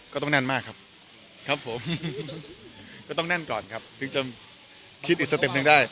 ก็ต้องแน่นมากครับครับผมก็ต้องแน่นก่อนครับถึงจะคิดอีกสเต็ปหนึ่งได้